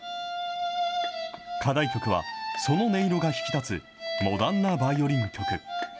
課題曲は、その音色が引き立つモダンなバイオリン曲。